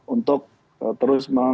untuk terus mengembangkan